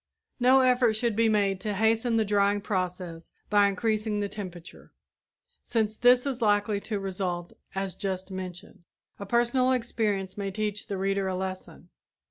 No effort should be made to hasten the drying process by increasing the temperature, since this is likely to result as just mentioned. A personal experience may teach the reader a lesson.